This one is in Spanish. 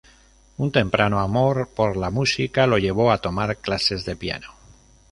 Un temprano amor por la música lo llevó a tomar clases de piano.